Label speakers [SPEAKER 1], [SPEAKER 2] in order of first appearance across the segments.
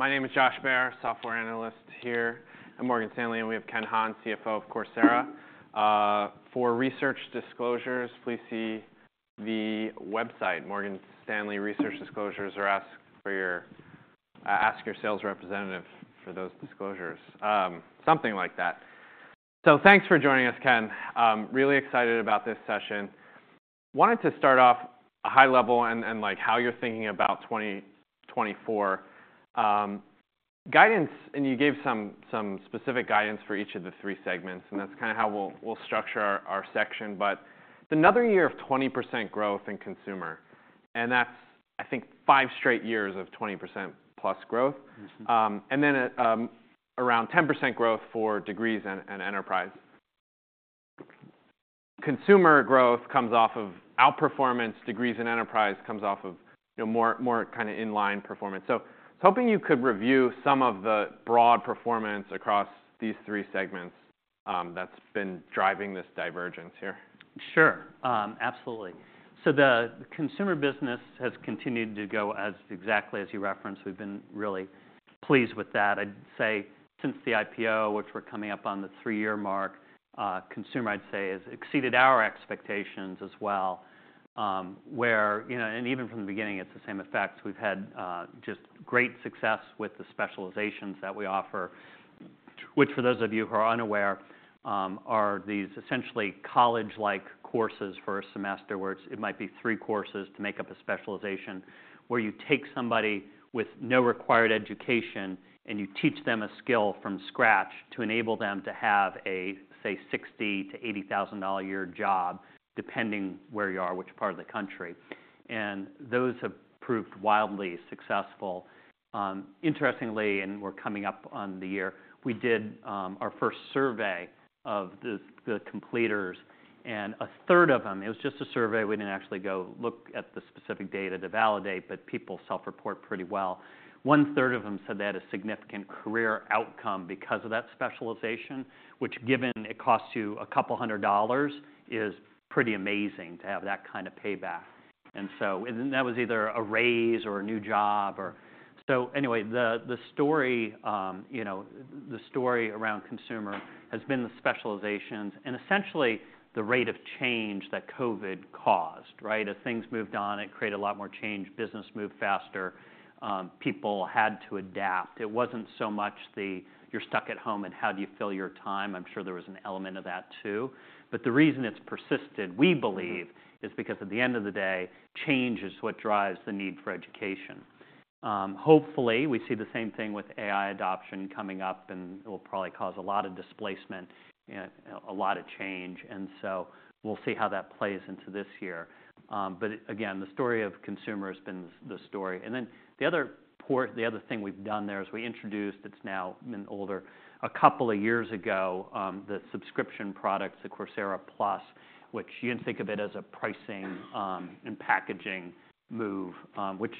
[SPEAKER 1] All right. My name is Josh Baer, software analyst here. I'm Morgan Stanley, and we have Ken Hahn, CFO of Coursera. For research disclosures, please see the website. Morgan Stanley Research Disclosures are asked for your, ask your sales representative for those disclosures. Something like that. So thanks for joining us, Ken. Really excited about this session. Wanted to start off at a high level and, like, how you're thinking about 2024 guidance and you gave some specific guidance for each of the three segments, and that's kinda how we'll structure our section. But another year of 20% growth in consumer, and that's, I think, five straight years of 20%+ growth.
[SPEAKER 2] Mm-hmm.
[SPEAKER 1] and then, around 10% growth for degrees and enterprise. Consumer growth comes off of outperformance. Degrees and enterprise comes off of, you know, more kinda in-line performance. So, hoping you could review some of the broad performance across these three segments, that's been driving this divergence here.
[SPEAKER 2] Sure. Absolutely. So the consumer business has continued to go as exactly as you referenced. We've been really pleased with that. I'd say since the IPO, which we're coming up on the three-year mark, consumer, I'd say, has exceeded our expectations as well, where, you know, and even from the beginning, it's the same effects. We've had just great success with the Specializations that we offer, which, for those of you who are unaware, are these essentially college-like courses for a semester where it might be three courses to make up a Specialization, where you take somebody with no required education and you teach them a skill from scratch to enable them to have a, say, $60,000-$80,000-a-year job, depending where you are, which part of the country. And those have proved wildly successful. Interestingly, we're coming up on the year, we did our first survey of the completers, and a third of them. It was just a survey. We didn't actually go look at the specific data to validate, but people self-report pretty well. One-third of them said they had a significant career outcome because of that Specialization, which, given it costs you $200, is pretty amazing to have that kinda payback. And so and then that was either a raise or a new job or so anyway, the story, you know, the story around consumer has been the Specializations and essentially the rate of change that COVID caused, right? As things moved on, it created a lot more change. Business moved faster. People had to adapt. It wasn't so much the, "You're stuck at home, and how do you fill your time?" I'm sure there was an element of that too. But the reason it's persisted, we believe, is because at the end of the day, change is what drives the need for education. Hopefully, we see the same thing with AI adoption coming up, and it'll probably cause a lot of displacement and a lot of change. And so we'll see how that plays into this year. But again, the story of consumer has been the, the story. And then the other thing we've done there is we introduced it a couple of years ago, the subscription products, the Coursera Plus, which you can think of it as a pricing and packaging move, which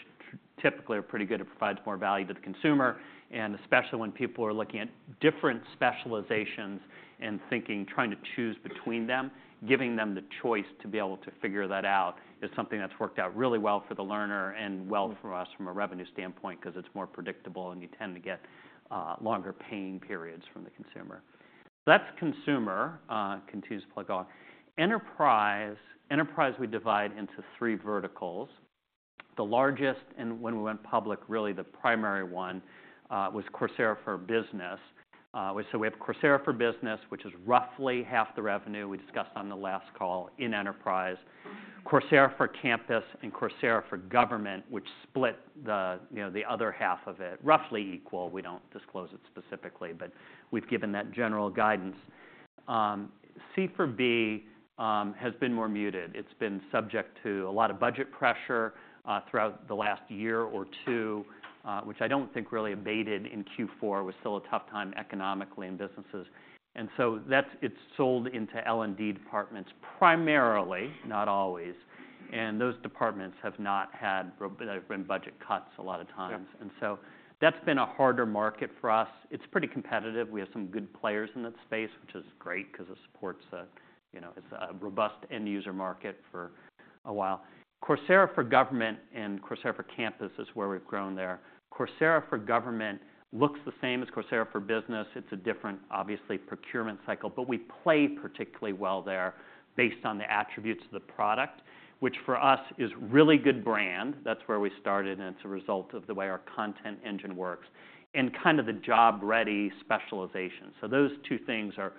[SPEAKER 2] typically are pretty good. It provides more value to the consumer. And especially when people are looking at different Specializations and thinking trying to choose between them, giving them the choice to be able to figure that out is something that's worked out really well for the learner and well for us from a revenue standpoint 'cause it's more predictable, and you tend to get longer paying periods from the consumer. That's consumer. It continues to plug on. Enterprise, we divide into three verticals. The largest and when we went public, really, the primary one, was Coursera for Business. So we have Coursera for Business, which is roughly half the revenue we discussed on the last call in enterprise. Coursera for Campus and Coursera for Government, which split the, you know, the other half of it, roughly equal. We don't disclose it specifically, but we've given that general guidance. C4B has been more muted. It's been subject to a lot of budget pressure, throughout the last year or two, which I don't think really abated in Q4. It was still a tough time economically in businesses. And so that's, it's sold into L&D departments primarily, not always. And those departments have not had. They've been budget cuts a lot of times.
[SPEAKER 1] Yeah.
[SPEAKER 2] And so that's been a harder market for us. It's pretty competitive. We have some good players in that space, which is great 'cause it supports a, you know, it's a robust end-user market for a while. Coursera for Government and Coursera for Campus is where we've grown there. Coursera for Government looks the same as Coursera for Business. It's a different, obviously, procurement cycle, but we play particularly well there based on the attributes of the product, which for us is really good brand. That's where we started, and it's a result of the way our content engine works and kinda the job-ready Specialization. So those two things are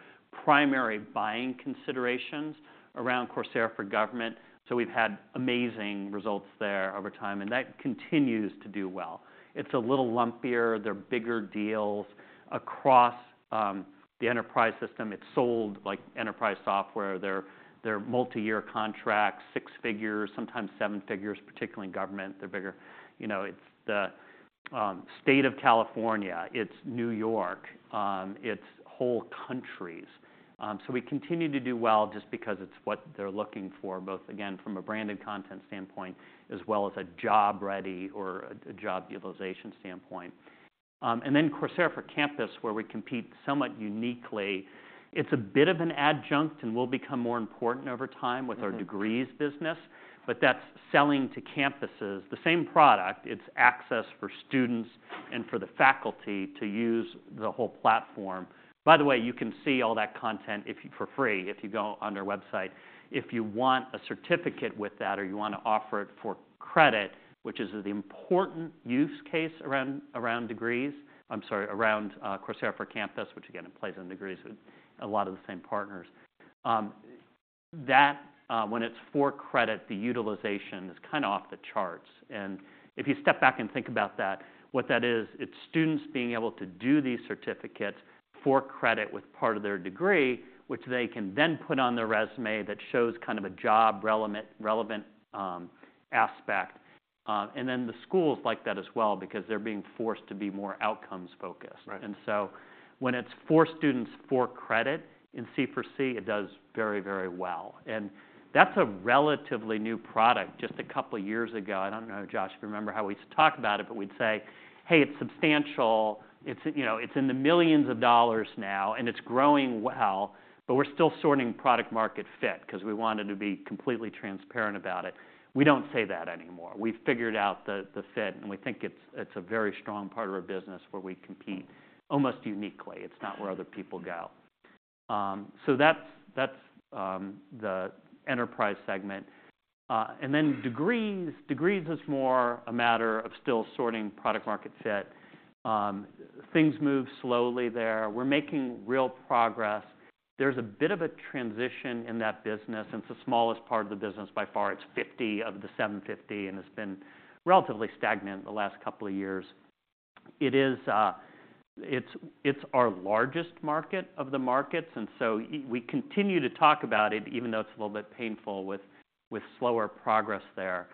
[SPEAKER 2] primary buying considerations around Coursera for Government. So we've had amazing results there over time, and that continues to do well. It's a little lumpier. They're bigger deals. Across the enterprise system, it's sold, like, enterprise software. They're multi-year contracts, six figures, sometimes seven figures, particularly in government. They're bigger. You know, it's the state of California. It's New York. It's whole countries. So we continue to do well just because it's what they're looking for, both, again, from a branded content standpoint as well as a job-ready or a job utilization standpoint. And then Coursera for Campus, where we compete somewhat uniquely, it's a bit of an adjunct and will become more important over time with our degrees business.
[SPEAKER 1] Mm-hmm.
[SPEAKER 2] But that's selling to campuses the same product. It's access for students and for the faculty to use the whole platform. By the way, you can see all that content for free if you go on their website. If you want a certificate with that or you wanna offer it for credit, which is the important use case around degrees, I'm sorry, around Coursera for Campus, which, again, it plays in degrees with a lot of the same partners. That, when it's for credit, the utilization is kinda off the charts. And if you step back and think about that, what that is, it's students being able to do these certificates for credit with part of their degree, which they can then put on their resume that shows kind of a job-relevant aspect. and then the schools like that as well because they're being forced to be more outcomes-focused.
[SPEAKER 1] Right.
[SPEAKER 2] And so when it's for students for credit in C4C, it does very, very well. And that's a relatively new product. Just a couple of years ago I don't know, Josh, if you remember how we used to talk about it, but we'd say, "Hey, it's substantial. It's, you know, it's in the millions of dollars now, and it's growing well, but we're still sorting product-market fit 'cause we wanted to be completely transparent about it." We don't say that anymore. We've figured out the, the fit, and we think it's, it's a very strong part of our business where we compete almost uniquely. It's not where other people go. So that's, that's, the enterprise segment. And then degrees. Degrees is more a matter of still sorting product-market fit. Things move slowly there. We're making real progress. There's a bit of a transition in that business, and it's the smallest part of the business by far. It's 50 of the 750, and it's been relatively stagnant the last couple of years. It's our largest market of the markets, and so why we continue to talk about it even though it's a little bit painful with slower progress there.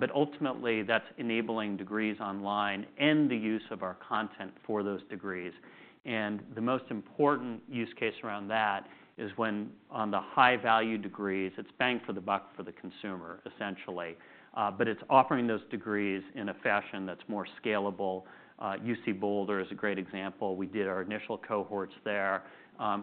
[SPEAKER 2] But ultimately, that's enabling degrees online and the use of our content for those degrees. And the most important use case around that is when on the high-value degrees, it's bang for the buck for the consumer, essentially. But it's offering those degrees in a fashion that's more scalable. UC Boulder is a great example. We did our initial cohorts there.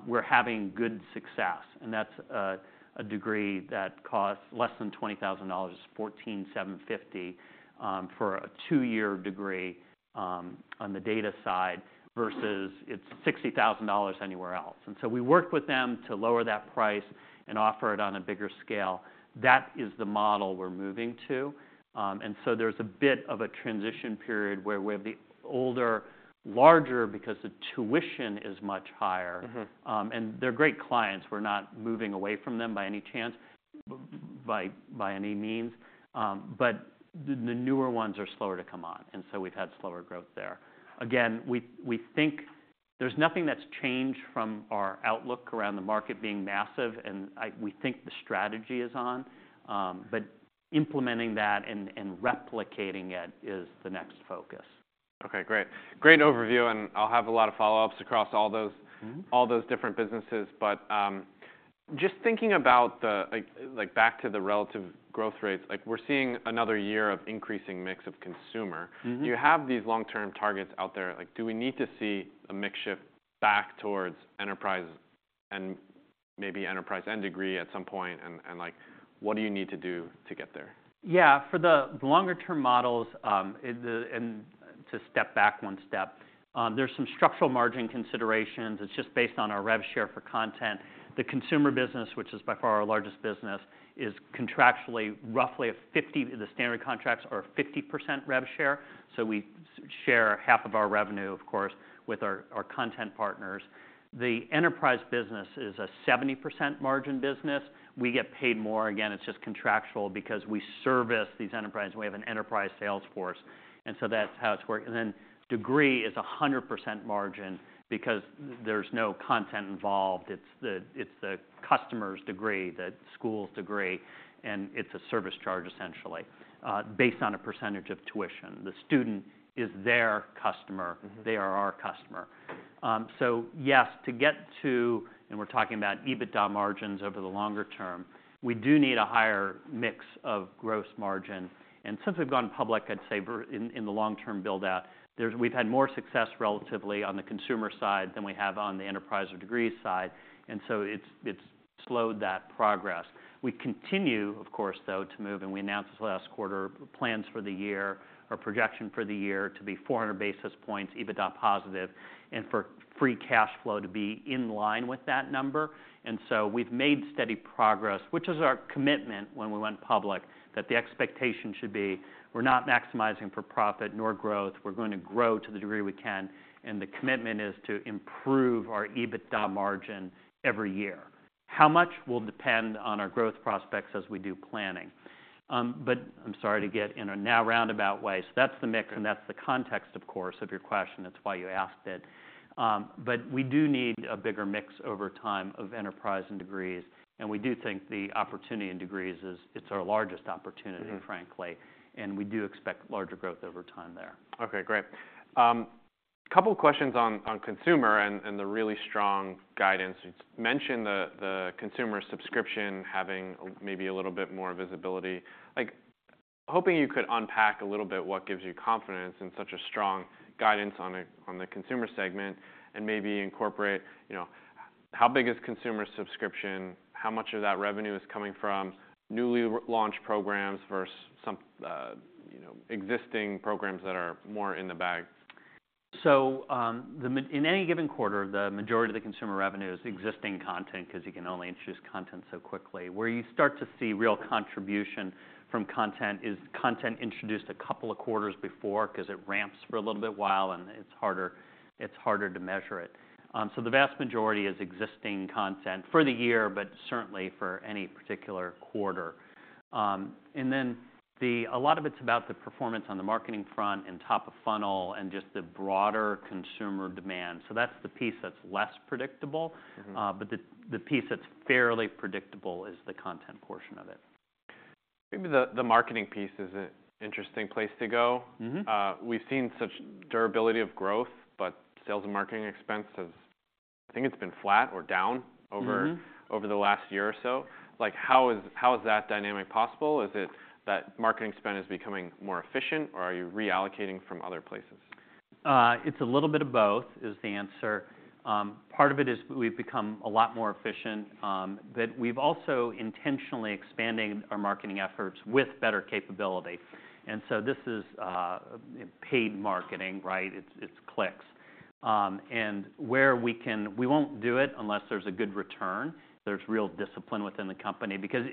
[SPEAKER 2] We're having good success, and that's a degree that costs less than $20,000. It's $14,750 for a two-year degree, on the data side versus it's $60,000 anywhere else. And so we worked with them to lower that price and offer it on a bigger scale. That is the model we're moving to. And so there's a bit of a transition period where we have the older, larger because the tuition is much higher.
[SPEAKER 1] Mm-hmm.
[SPEAKER 2] They're great clients. We're not moving away from them by any chance, by any means. But the newer ones are slower to come on, and so we've had slower growth there. Again, we think there's nothing that's changed from our outlook around the market being massive, and we think the strategy is on. But implementing that and replicating it is the next focus.
[SPEAKER 1] Okay. Great. Great overview, and I'll have a lot of follow-ups across all those.
[SPEAKER 2] Mm-hmm.
[SPEAKER 1] All those different businesses. But, just thinking about the, like, back to the relative growth rates, like, we're seeing another year of increasing mix of consumer.
[SPEAKER 2] Mm-hmm.
[SPEAKER 1] You have these long-term targets out there. Like, do we need to see a mix shift back towards enterprise and maybe enterprise and degree at some point? And, like, what do you need to do to get there?
[SPEAKER 2] Yeah. For the longer-term models, and to step back one step, there's some structural margin considerations. It's just based on our revenue share for content. The consumer business, which is by far our largest business, is contractually roughly a 50%. The standard contracts are a 50% revenue share. So we share half of our revenue, of course, with our content partners. The enterprise business is a 70% margin business. We get paid more. Again, it's just contractual because we service these enterprises, and we have an enterprise sales force. And then degree is a 100% margin because there's no content involved. It's the customer's degree, the school's degree, and it's a service charge, essentially, based on a percentage of tuition. The student is their customer.
[SPEAKER 1] Mm-hmm.
[SPEAKER 2] They are our customer. So yes, to get there and we're talking about EBITDA margins over the longer term. We do need a higher mix of gross margin. And since we've gone public, I'd say, we're in, in the long-term build-out, we've had more success relatively on the consumer side than we have on the enterprise or degree side. And so it's, it's slowed that progress. We continue, of course, though, to move, and we announced this last quarter plans for the year or projection for the year to be 400 basis points EBITDA positive and for free cash flow to be in line with that number. And so we've made steady progress, which is our commitment when we went public, that the expectation should be, "We're not maximizing for profit nor growth. We're going to grow to the degree we can." The commitment is to improve our EBITDA margin every year. How much will depend on our growth prospects as we do planning. But I'm sorry to get to it in a roundabout way now. That's the mix.
[SPEAKER 1] Mm-hmm.
[SPEAKER 2] That's the context, of course, of your question. That's why you asked it. But we do need a bigger mix over time of enterprise and degrees, and we do think the opportunity in degrees is it's our largest opportunity, frankly.
[SPEAKER 1] Mm-hmm.
[SPEAKER 2] We do expect larger growth over time there.
[SPEAKER 1] Okay. Great. Couple of questions on consumer and the really strong guidance. You mentioned the consumer subscription having maybe a little bit more visibility. Like, hoping you could unpack a little bit what gives you confidence in such a strong guidance on the consumer segment and maybe incorporate, you know, how big is consumer subscription? How much of that revenue is coming from newly launched programs versus some, you know, existing programs that are more in the bag?
[SPEAKER 2] So, the mix in any given quarter, the majority of the consumer revenue is existing content 'cause you can only introduce content so quickly. Where you start to see real contribution from content is content introduced a couple of quarters before 'cause it ramps for a little bit while, and it's harder to measure it. So the vast majority is existing content for the year but certainly for any particular quarter. And then a lot of it's about the performance on the marketing front and top of funnel and just the broader consumer demand. So that's the piece that's less predictable.
[SPEAKER 1] Mm-hmm.
[SPEAKER 2] But the piece that's fairly predictable is the content portion of it.
[SPEAKER 1] Maybe the marketing piece is an interesting place to go.
[SPEAKER 2] Mm-hmm.
[SPEAKER 1] We've seen such durability of growth, but sales and marketing expense has, I think, it's been flat or down over.
[SPEAKER 2] Mm-hmm.
[SPEAKER 1] Over the last year or so. Like, how is that dynamic possible? Is it that marketing spend is becoming more efficient, or are you reallocating from other places?
[SPEAKER 2] It's a little bit of both is the answer. Part of it is we've become a lot more efficient, but we've also intentionally expanding our marketing efforts with better capability. And so this is paid marketing, right? It's clicks. And where we can, we won't do it unless there's a good return. There's real discipline within the company because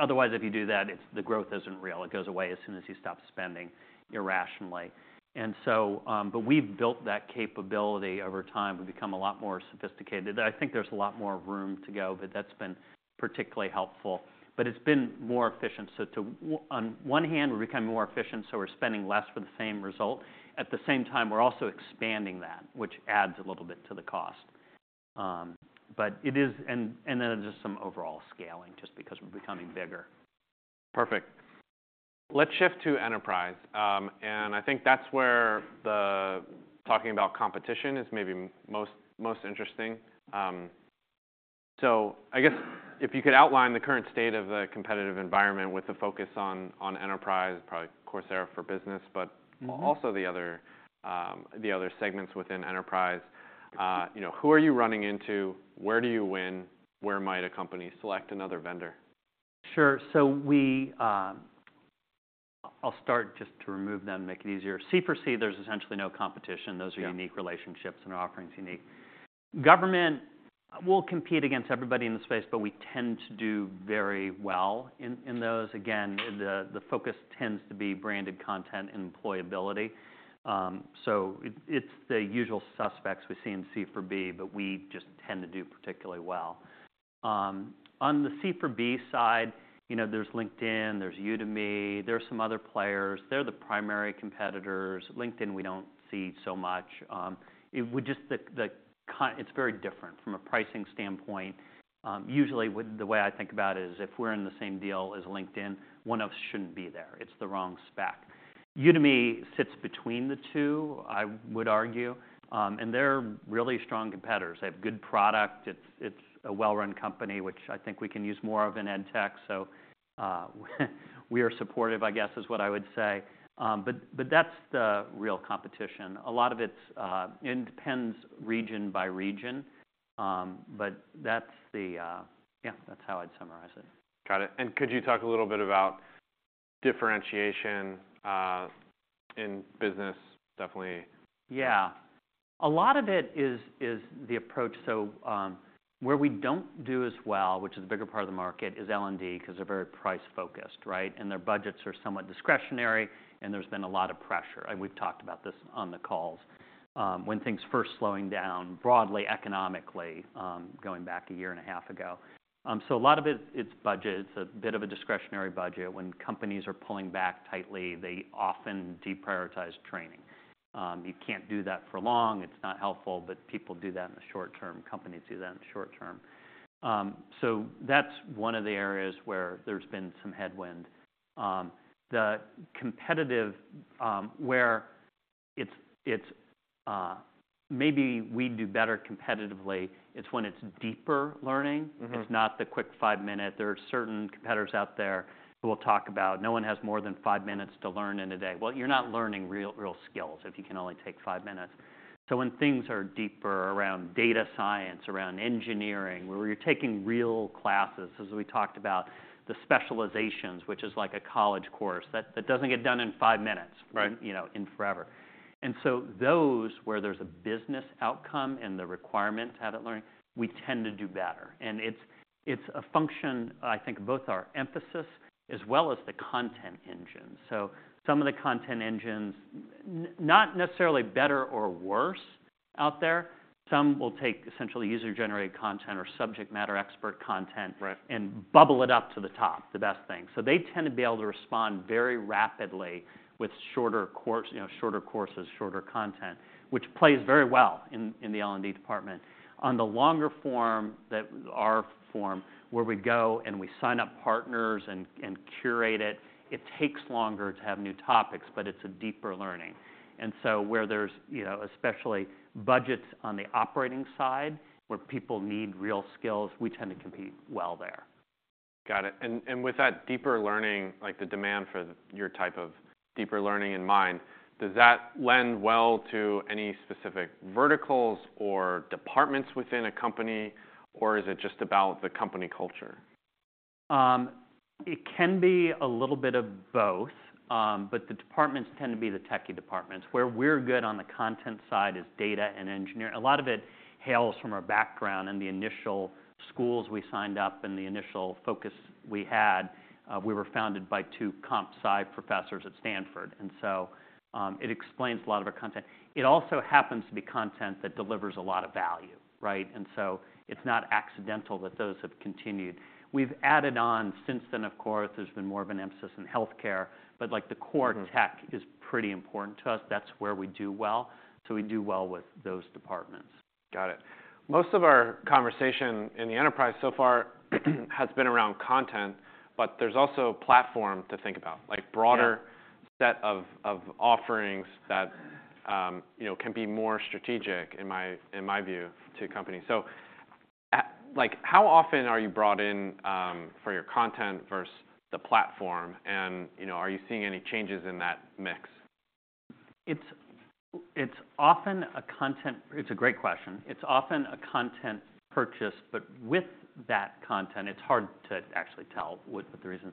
[SPEAKER 2] otherwise, if you do that, it's the growth isn't real. It goes away as soon as you stop spending irrationally. And so, but we've built that capability over time. We've become a lot more sophisticated. I think there's a lot more room to go, but that's been particularly helpful. But it's been more efficient. So too on one hand, we're becoming more efficient, so we're spending less for the same result. At the same time, we're also expanding that, which adds a little bit to the cost. but it is, and then there's just some overall scaling just because we're becoming bigger.
[SPEAKER 1] Perfect. Let's shift to enterprise. I think that's where the talking about competition is maybe most, most interesting. I guess if you could outline the current state of the competitive environment with a focus on, on enterprise, probably Coursera for Business but also the other, the other segments within enterprise. You know, who are you running into? Where do you win? Where might a company select another vendor?
[SPEAKER 2] Sure. So we, I'll start just to remove them and make it easier. C4C, there's essentially no competition. Those are unique relationships, and our offering's unique. Government, we'll compete against everybody in the space, but we tend to do very well in those. Again, the focus tends to be branded content and employability. So it's the usual suspects we see in C4B, but we just tend to do particularly well. On the C4B side, you know, there's LinkedIn. There's Udemy. There are some other players. They're the primary competitors. LinkedIn, we don't see so much. It would just, the content is very different from a pricing standpoint. Usually, with the way I think about it is if we're in the same deal as LinkedIn, one of us shouldn't be there. It's the wrong spec. Udemy sits between the two, I would argue. And they're really strong competitors. They have good product. It's a well-run company, which I think we can use more of in ed tech. So, we are supportive, I guess, is what I would say. But that's the real competition. A lot of it's, and it depends region by region. But that's, yeah, that's how I'd summarize it.
[SPEAKER 1] Got it. Could you talk a little bit about differentiation in business? Definitely.
[SPEAKER 2] Yeah. A lot of it is, is the approach. So, where we don't do as well, which is a bigger part of the market, is L&D 'cause they're very price-focused, right? And their budgets are somewhat discretionary, and there's been a lot of pressure. And we've talked about this on the calls, when things first slowing down broadly economically, going back a year and a half ago. So a lot of it, it's budget. It's a bit of a discretionary budget. When companies are pulling back tightly, they often deprioritize training. You can't do that for long. It's not helpful, but people do that in the short term. Companies do that in the short term. So that's one of the areas where there's been some headwind. The competitive, where it's, it's, maybe we do better competitively, it's when it's deeper learning.
[SPEAKER 1] Mm-hmm.
[SPEAKER 2] It's not the quick five-minute. There are certain competitors out there who we'll talk about. No one has more than five minutes to learn in a day. Well, you're not learning real, real skills if you can only take five minutes. So when things are deeper around data science, around engineering, where you're taking real classes, as we talked about, the Specializations, which is like a college course, that, that doesn't get done in five minutes.
[SPEAKER 1] Right.
[SPEAKER 2] You know, in forever. So those where there's a business outcome and the requirement to have it learning, we tend to do better. It's a function, I think, of both our emphasis as well as the content engine. So some of the content engines, not necessarily better or worse out there. Some will take essentially user-generated content or subject matter expert content.
[SPEAKER 1] Right.
[SPEAKER 2] And bubble it up to the top, the best thing. So they tend to be able to respond very rapidly with shorter courses, you know, shorter courses, shorter content, which plays very well in the L&D department. On the longer form, that's our form, where we go and we sign up partners and curate it, it takes longer to have new topics, but it's a deeper learning. And so where there's, you know, especially budgets on the operating side where people need real skills, we tend to compete well there.
[SPEAKER 1] Got it. And, with that deeper learning, like, the demand for your type of deeper learning in mind, does that lend well to any specific verticals or departments within a company, or is it just about the company culture?
[SPEAKER 2] It can be a little bit of both, but the departments tend to be the techie departments. Where we're good on the content side is data and engineering. A lot of it hails from our background and the initial schools we signed up and the initial focus we had. We were founded by two comp sci professors at Stanford. And so, it explains a lot of our content. It also happens to be content that delivers a lot of value, right? And so it's not accidental that those have continued. We've added on since then, of course, there's been more of an emphasis in healthcare, but, like, the core tech.
[SPEAKER 1] Mm-hmm.
[SPEAKER 2] Is pretty important to us. That's where we do well. We do well with those departments.
[SPEAKER 1] Got it. Most of our conversation in the enterprise so far has been around content, but there's also platform to think about, like broader.
[SPEAKER 2] Yeah.
[SPEAKER 1] Set of offerings that, you know, can be more strategic, in my view, to companies. So like, how often are you brought in, for your content versus the platform? And, you know, are you seeing any changes in that mix?
[SPEAKER 2] It's a great question. It's often a content purchase, but with that content, it's hard to actually tell what the reason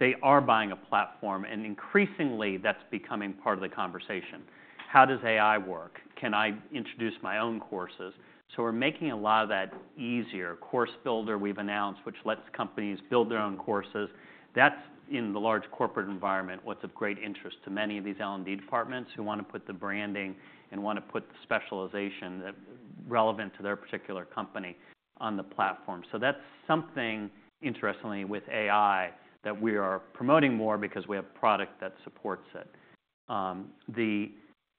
[SPEAKER 2] they are buying a platform. And increasingly, that's becoming part of the conversation. How does AI work? Can I introduce my own courses? So we're making a lot of that easier. Course Builder we've announced, which lets companies build their own courses. That's, in the large corporate environment, what's of great interest to many of these L&D departments who wanna put the branding and wanna put the Specialization that's relevant to their particular company on the platform. So that's something, interestingly, with AI that we are promoting more because we have product that supports it. The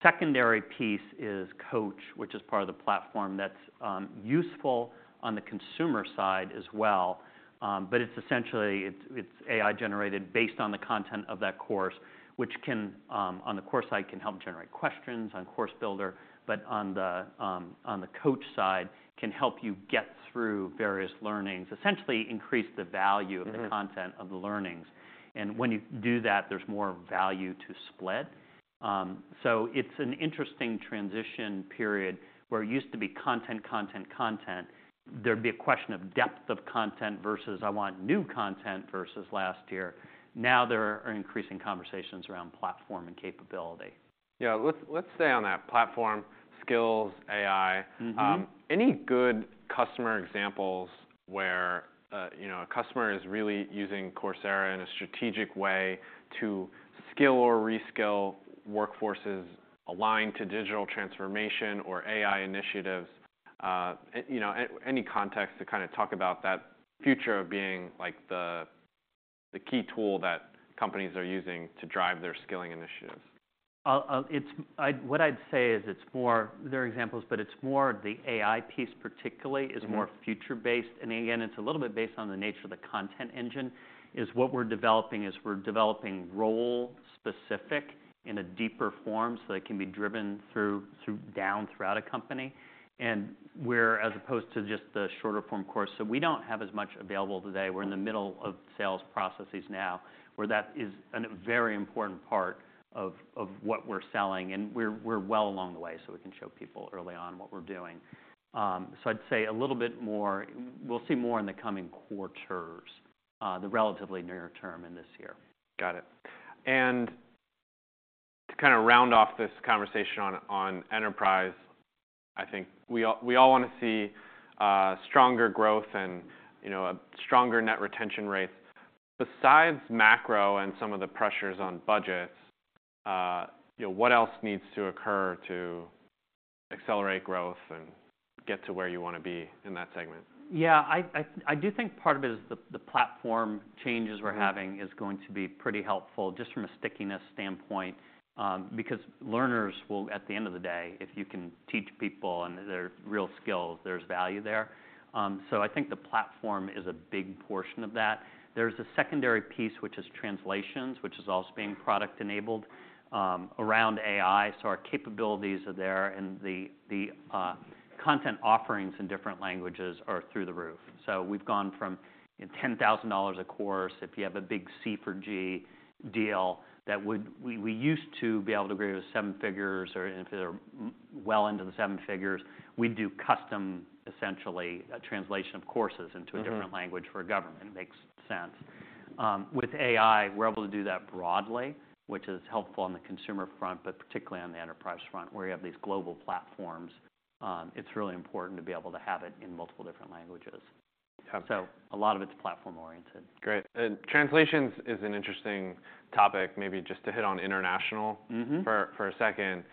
[SPEAKER 2] secondary piece is Coach, which is part of the platform. That's useful on the consumer side as well, but it's essentially AI-generated based on the content of that course, which can, on the course side, help generate questions on Course Builder, but on the Coach side, can help you get through various learnings, essentially increase the value of the content.
[SPEAKER 1] Mm-hmm.
[SPEAKER 2] Of the learnings. And when you do that, there's more value to split. So it's an interesting transition period where it used to be content, content, content. There'd be a question of depth of content versus, "I want new content," versus last year. Now there are increasing conversations around platform and capability.
[SPEAKER 1] Yeah. Let's, let's stay on that. Platform, skills, AI.
[SPEAKER 2] Mm-hmm.
[SPEAKER 1] Any good customer examples where, you know, a customer is really using Coursera in a strategic way to skill or reskill workforces aligned to digital transformation or AI initiatives? You know, any context to kinda talk about that future of being, like, the key tool that companies are using to drive their skilling initiatives?
[SPEAKER 2] What I'd say is, it's more. There are examples, but it's more the AI piece particularly is more.
[SPEAKER 1] Mm-hmm.
[SPEAKER 2] Future-based. Again, it's a little bit based on the nature of the content engine. We're developing role-specific in a deeper form so that it can be driven through down throughout a company. We're as opposed to just the shorter-form course. So we don't have as much available today. We're in the middle of sales processes now where that is a very important part of what we're selling. We're well along the way, so we can show people early on what we're doing. I'd say a little bit more; we'll see more in the coming quarters, the relatively near term in this year.
[SPEAKER 1] Got it. And to kinda round off this conversation on enterprise, I think we all wanna see stronger growth and, you know, a stronger net retention rates. Besides macro and some of the pressures on budgets, you know, what else needs to occur to accelerate growth and get to where you wanna be in that segment?
[SPEAKER 2] Yeah. I do think part of it is the platform changes we're having is going to be pretty helpful just from a stickiness standpoint, because learners will at the end of the day, if you can teach people and their real skills, there's value there. So I think the platform is a big portion of that. There's a secondary piece, which is translations, which is also being product-enabled, around AI. So our capabilities are there, and the content offerings in different languages are through the roof. So we've gone from, you know, $10,000 a course if you have a big C4G deal that we used to be able to agree to seven figures, or if they're well into the seven figures, we'd do custom, essentially, translation of courses into a different language for government. Makes sense. With AI, we're able to do that broadly, which is helpful on the consumer front but particularly on the enterprise front where you have these global platforms. It's really important to be able to have it in multiple different languages.
[SPEAKER 1] Got it.
[SPEAKER 2] A lot of it's platform-oriented.
[SPEAKER 1] Great. Translations is an interesting topic, maybe just to hit on international.
[SPEAKER 2] Mm-hmm.
[SPEAKER 1] For a second,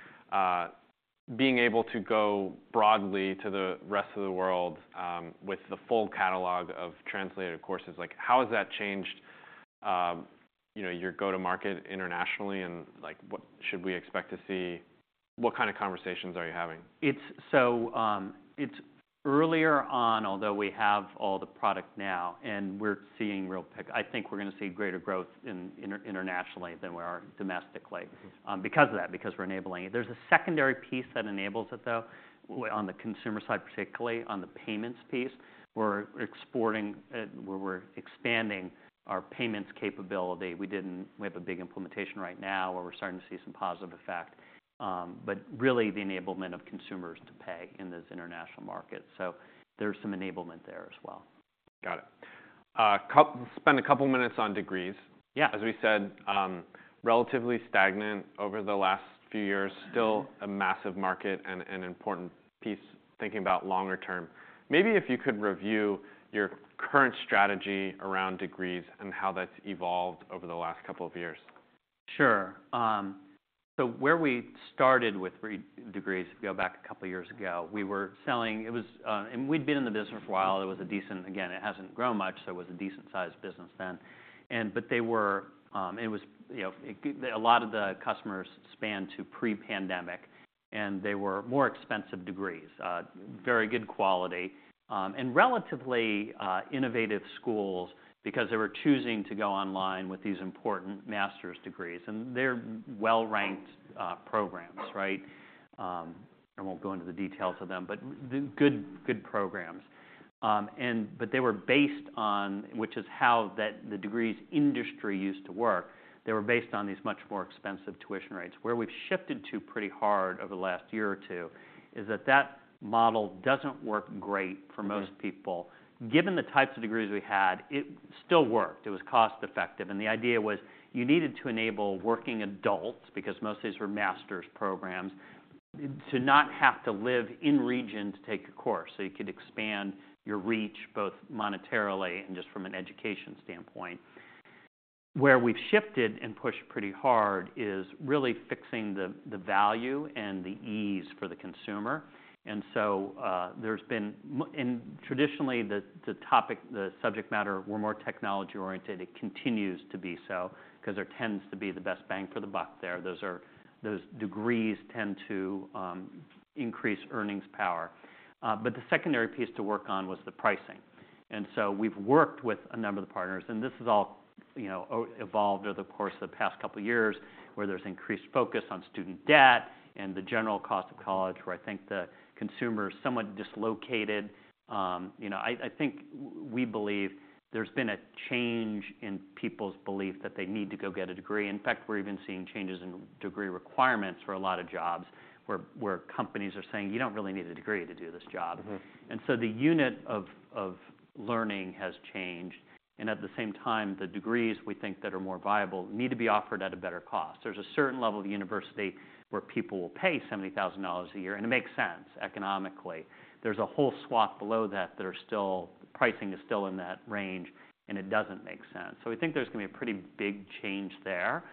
[SPEAKER 1] being able to go broadly to the rest of the world with the full catalog of translated courses—like, how has that changed, you know, your go-to-market internationally, and like, what should we expect to see? What kinda conversations are you having?
[SPEAKER 2] It's earlier on, although we have all the product now, and we're seeing real pickup. I think we're gonna see greater growth internationally than we are domestically.
[SPEAKER 1] Mm-hmm.
[SPEAKER 2] because of that, because we're enabling it. There's a secondary piece that enables it, though, on the consumer side particularly, on the payments piece. We're exporting, where we're expanding our payments capability. We have a big implementation right now where we're starting to see some positive effect, but really the enablement of consumers to pay in those international markets. So there's some enablement there as well.
[SPEAKER 1] Got it. Let's spend a couple minutes on degrees.
[SPEAKER 2] Yeah.
[SPEAKER 1] As we said, relatively stagnant over the last few years, still a massive market and important piece thinking about longer term. Maybe if you could review your current strategy around degrees and how that's evolved over the last couple of years.
[SPEAKER 2] Sure. So where we started with our degrees, if you go back a couple years ago, we were selling. It was, and we'd been in the business for a while. It was a decent. Again, it hasn't grown much, so it was a decent-sized business then. And they were, and it was, you know, a lot of the customers span back to pre-pandemic, and they were more expensive degrees, very good quality, and relatively innovative schools because they were choosing to go online with these important master's degrees. And they're well-ranked programs, right? And we'll go into the details of them, but they're the good, good programs. And they were based on which is how the degrees industry used to work. They were based on these much more expensive tuition rates. Where we've shifted to pretty hard over the last year or two is that that model doesn't work great for most people.
[SPEAKER 1] Mm-hmm.
[SPEAKER 2] Given the types of degrees we had, it still worked. It was cost-effective. The idea was you needed to enable working adults because most of these were master's programs to not have to live in region to take a course so you could expand your reach both monetarily and just from an education standpoint. Where we've shifted and pushed pretty hard is really fixing the value and the ease for the consumer. And so, there's been, and traditionally, the topic, the subject matter were more technology-oriented. It continues to be so 'cause there tends to be the best bang for the buck there. Those degrees tend to increase earnings power. But the secondary piece to work on was the pricing. And so we've worked with a number of the partners, and this has all, you know, evolved over the course of the past couple years where there's increased focus on student debt and the general cost of college where I think the consumer is somewhat dislocated. You know, I think we believe there's been a change in people's belief that they need to go get a degree. In fact, we're even seeing changes in degree requirements for a lot of jobs where companies are saying, "You don't really need a degree to do this job.
[SPEAKER 1] Mm-hmm.
[SPEAKER 2] The unit of learning has changed. At the same time, the degrees we think that are more viable need to be offered at a better cost. There's a certain level of university where people will pay $70,000 a year, and it makes sense economically. There's a whole swath below that are still, pricing is still in that range, and it doesn't make sense. We think there's gonna be a pretty big change there.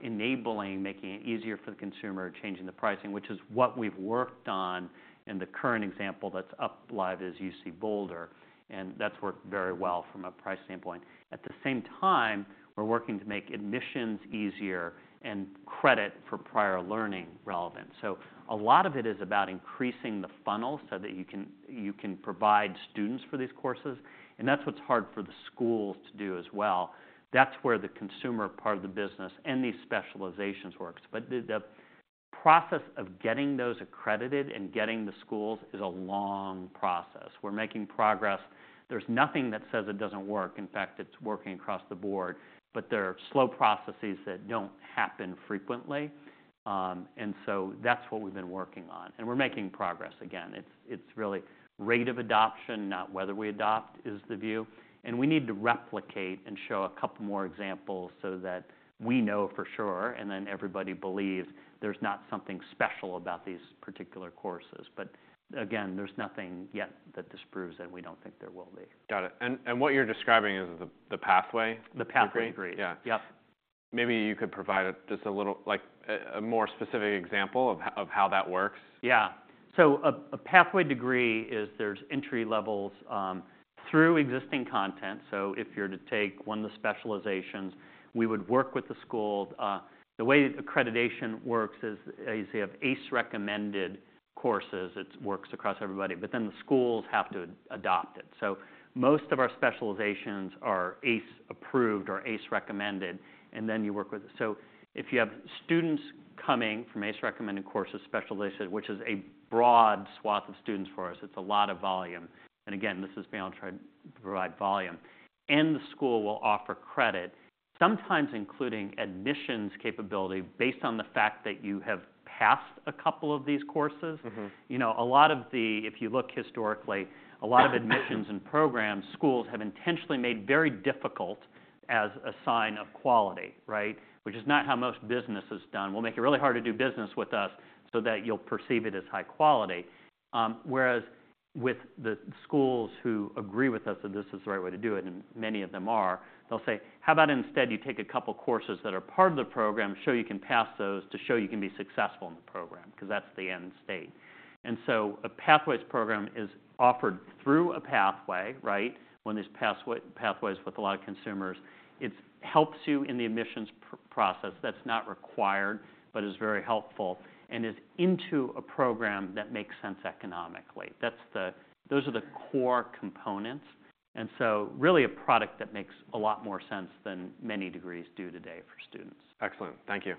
[SPEAKER 2] Enabling, making it easier for the consumer, changing the pricing, which is what we've worked on in the current example that's up live, is UC Boulder. And that's worked very well from a price standpoint. At the same time, we're working to make admissions easier and credit for prior learning relevant. So a lot of it is about increasing the funnel so that you can you can provide students for these courses. And that's what's hard for the schools to do as well. That's where the consumer part of the business and these Specializations works. But the, the process of getting those accredited and getting the schools is a long process. We're making progress. There's nothing that says it doesn't work. In fact, it's working across the board, but there are slow processes that don't happen frequently, and so that's what we've been working on. And we're making progress again. It's, it's really rate of adoption, not whether we adopt, is the view. And we need to replicate and show a couple more examples so that we know for sure, and then everybody believes there's not something special about these particular courses. But again, there's nothing yet that disproves that we don't think there will be.
[SPEAKER 1] Got it. And what you're describing is the pathway degree?
[SPEAKER 2] The pathway degree.
[SPEAKER 1] Yeah.
[SPEAKER 2] Yep.
[SPEAKER 1] Maybe you could provide just a little, like, a more specific example of how that works.
[SPEAKER 2] Yeah. So a pathway degree is there's entry levels through existing content. So if you're to take one of the Specializations, we would work with the school. The way accreditation works is, as you say, you have ACE-recommended courses. It works across everybody, but then the schools have to adopt it. So most of our Specializations are ACE-approved or ACE-recommended, and then you work with so if you have students coming from ACE-recommended courses, specialized, which is a broad swath of students for us, it's a lot of volume. And again, this is beyond trying to provide volume. And the school will offer credit, sometimes including admissions capability based on the fact that you have passed a couple of these courses.
[SPEAKER 1] Mm-hmm.
[SPEAKER 2] You know, a lot of the if you look historically, a lot of admissions and programs, schools have intentionally made very difficult as a sign of quality, right, which is not how most business has done. We'll make it really hard to do business with us so that you'll perceive it as high quality. Whereas with the schools who agree with us that this is the right way to do it, and many of them are, they'll say, "How about instead you take a couple courses that are part of the program, show you can pass those to show you can be successful in the program 'cause that's the end state." And so a pathways program is offered through a pathway, right, when there's pathway pathways with a lot of consumers. It helps you in the admissions process. That's not required but is very helpful and is into a program that makes sense economically. That's those are the core components. So really a product that makes a lot more sense than many degrees do today for students.
[SPEAKER 1] Excellent. Thank you.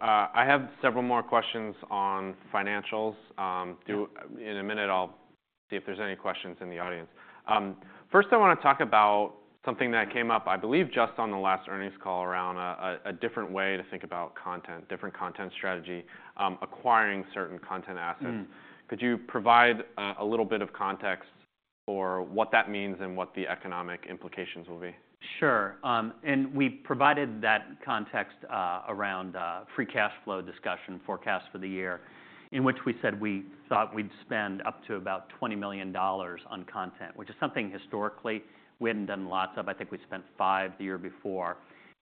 [SPEAKER 1] I have several more questions on financials.
[SPEAKER 2] Yeah.
[SPEAKER 1] In a minute, I'll see if there's any questions in the audience. First, I wanna talk about something that came up, I believe, just on the last earnings call around a different way to think about content, different content strategy, acquiring certain content assets.
[SPEAKER 2] Mm-hmm.
[SPEAKER 1] Could you provide a little bit of context for what that means and what the economic implications will be?
[SPEAKER 2] Sure. And we provided that context around free cash flow discussion forecast for the year, in which we said we thought we'd spend up to about $20 million on content, which is something historically we hadn't done lots of. I think we spent $5 million the year before.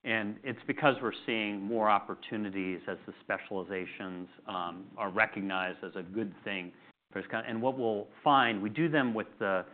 [SPEAKER 2] And it's because we're seeing more opportunities as the Specializations are recognized as a good thing for this content and what we'll find we do them with the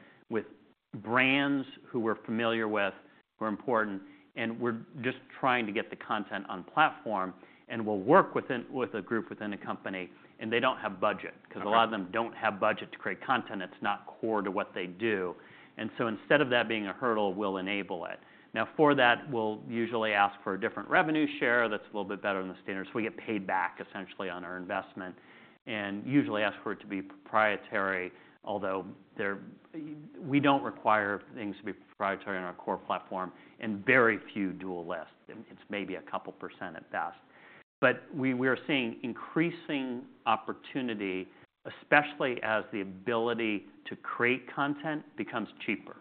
[SPEAKER 2] brands who we're familiar with who are important, and we're just trying to get the content on platform. And we'll work with a group within a company, and they don't have budget 'cause.
[SPEAKER 1] Mm-hmm.
[SPEAKER 2] A lot of them don't have budget to create content that's not core to what they do. And so instead of that being a hurdle, we'll enable it. Now, for that, we'll usually ask for a different revenue share that's a little bit better than the standard. So we get paid back essentially on our investment and usually ask for it to be proprietary, although thereby we don't require things to be proprietary on our core platform and very few dual lists. And it's maybe a couple% at best. But we are seeing increasing opportunity, especially as the ability to create content becomes cheaper,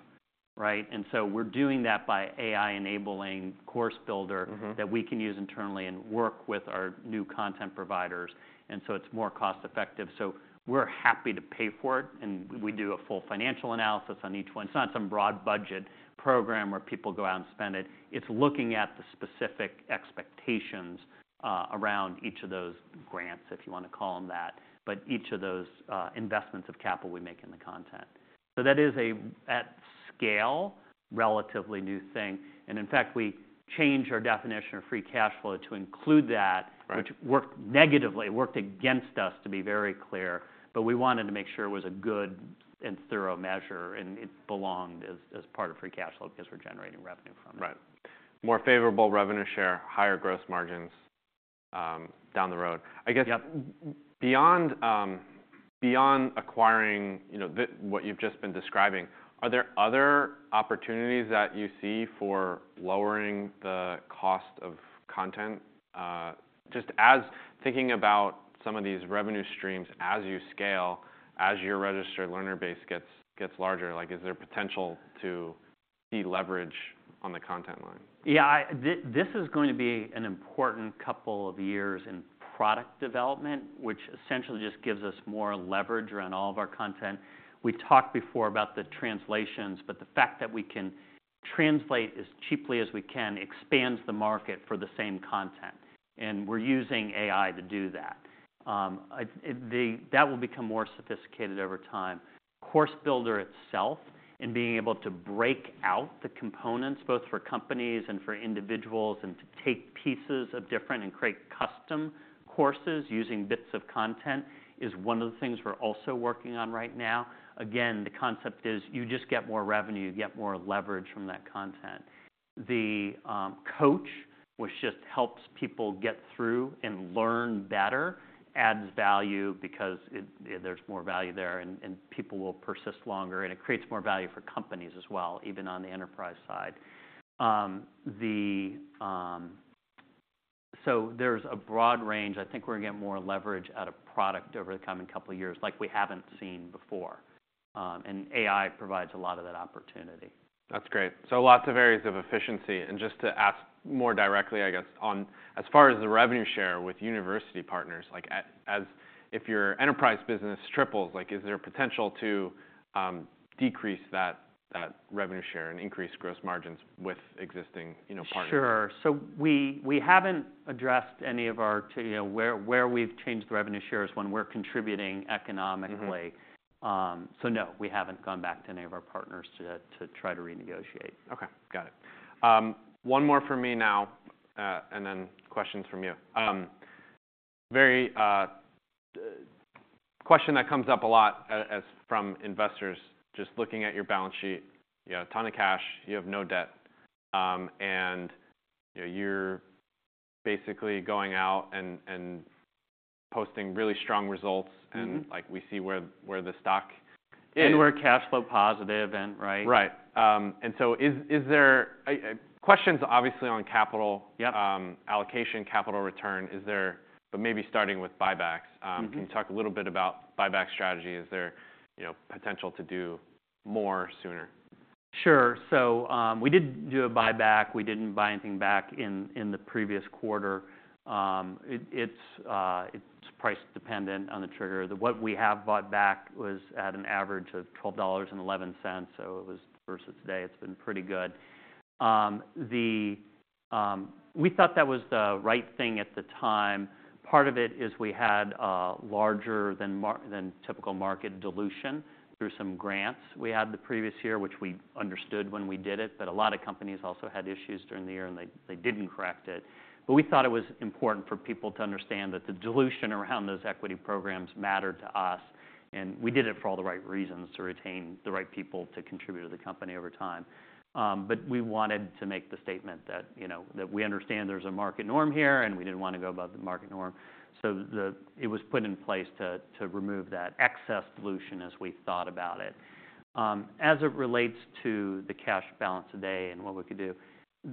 [SPEAKER 2] right? And so we're doing that by AI-enabling Course Builder.
[SPEAKER 1] Mm-hmm.
[SPEAKER 2] That we can use internally and work with our new content providers. And so it's more cost-effective. So we're happy to pay for it, and we do a full financial analysis on each one. It's not some broad-budget program where people go out and spend it. It's looking at the specific expectations around each of those grants, if you wanna call them that, but each of those investments of capital we make in the content. So that is a way at scale, relatively new thing. And in fact, we changed our definition of free cash flow to include that.
[SPEAKER 1] Right.
[SPEAKER 2] Which worked negatively, worked against us to be very clear, but we wanted to make sure it was a good and thorough measure, and it belonged as, as part of free cash flow because we're generating revenue from it.
[SPEAKER 1] Right. More favorable revenue share, higher gross margins, down the road. I guess.
[SPEAKER 2] Yep.
[SPEAKER 1] Beyond acquiring, you know, the what you've just been describing, are there other opportunities that you see for lowering the cost of content, just as thinking about some of these revenue streams as you scale, as your registered learner base gets larger? Like, is there potential to see leverage on the content line?
[SPEAKER 2] Yeah. I think this is going to be an important couple of years in product development, which essentially just gives us more leverage around all of our content. We talked before about the translations, but the fact that we can translate as cheaply as we can expands the market for the same content. And we're using AI to do that. I think that will become more sophisticated over time. Course Builder itself and being able to break out the components both for companies and for individuals and to take pieces of different and create custom courses using bits of content is one of the things we're also working on right now. Again, the concept is you just get more revenue. You get more leverage from that content. The Coach, which just helps people get through and learn better, adds value because there's more value there, and people will persist longer. And it creates more value for companies as well, even on the enterprise side. So there's a broad range. I think we're gonna get more leverage out of product over the coming couple years like we haven't seen before. AI provides a lot of that opportunity.
[SPEAKER 1] That's great. So lots of areas of efficiency. And just to ask more directly, I guess, on as far as the revenue share with university partners, like, as if your enterprise business triples, like, is there potential to decrease that, that revenue share and increase gross margins with existing, you know, partners?
[SPEAKER 2] Sure. So we haven't addressed any of our, you know, where we've changed the revenue share is when we're contributing economically.
[SPEAKER 1] Mm-hmm.
[SPEAKER 2] So no, we haven't gone back to any of our partners to try to renegotiate.
[SPEAKER 1] Okay. Got it. One more for me now, and then questions from you. Very good question that comes up a lot as from investors just looking at your balance sheet. You have a ton of cash. You have no debt. And, you know, you're basically going out and posting really strong results.
[SPEAKER 2] Mm-hmm.
[SPEAKER 1] Like, we see where the stock is.
[SPEAKER 2] We're cash flow positive and right.
[SPEAKER 1] Right. And so, is there a question? It's obviously on capital.
[SPEAKER 2] Yep.
[SPEAKER 1] allocation, capital return. Is there, but maybe starting with buybacks.
[SPEAKER 2] Mm-hmm.
[SPEAKER 1] Can you talk a little bit about buyback strategy? Is there, you know, potential to do more sooner?
[SPEAKER 2] Sure. So, we did do a buyback. We didn't buy anything back in the previous quarter. It's price-dependent on the trigger. What we have bought back was at an average of $12.11, so it was versus today. It's been pretty good. We thought that was the right thing at the time. Part of it is we had a larger than more than typical market dilution through some grants we had the previous year, which we understood when we did it, but a lot of companies also had issues during the year, and they didn't correct it. But we thought it was important for people to understand that the dilution around those equity programs mattered to us, and we did it for all the right reasons to retain the right people to contribute to the company over time. But we wanted to make the statement that, you know, that we understand there's a market norm here, and we didn't wanna go above the market norm. So it was put in place to, to remove that excess dilution as we thought about it. As it relates to the cash balance today and what we could do,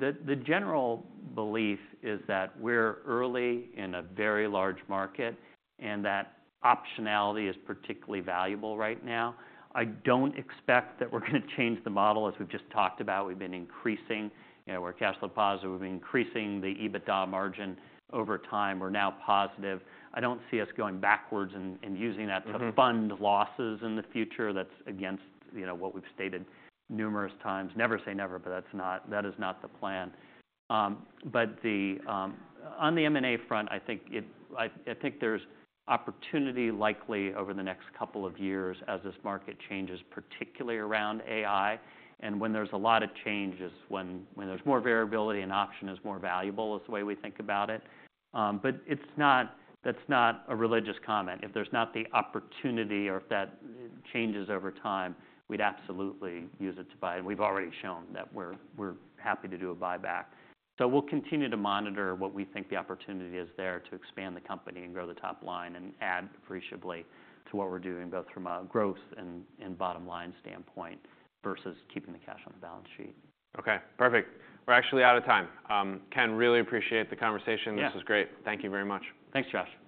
[SPEAKER 2] the general belief is that we're early in a very large market and that optionality is particularly valuable right now. I don't expect that we're gonna change the model. As we've just talked about, we've been increasing you know, we're cash flow positive. We've been increasing the EBITDA margin over time. We're now positive. I don't see us going backwards and, and using that to.
[SPEAKER 1] Mm-hmm.
[SPEAKER 2] Fund losses in the future. That's against, you know, what we've stated numerous times. Never say never, but that's not the plan. But on the M&A front, I think there's opportunity likely over the next couple of years as this market changes, particularly around AI. And when there's a lot of change is when there's more variability and option is more valuable is the way we think about it. But it's not a religious comment. If there's not the opportunity or if that changes over time, we'd absolutely use it to buy. And we've already shown that we're happy to do a buyback. We'll continue to monitor what we think the opportunity is there to expand the company and grow the top line and add appreciably to what we're doing, both from a growth and bottom line standpoint versus keeping the cash on the balance sheet.
[SPEAKER 1] Okay. Perfect. We're actually out of time. Ken, really appreciate the conversation.
[SPEAKER 2] Yep.
[SPEAKER 1] This was great. Thank you very much.
[SPEAKER 2] Thanks, Josh.